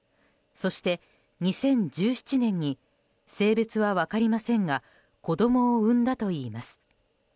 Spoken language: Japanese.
そして２０１７年に性別は分かりませんが子供を産んだといいます。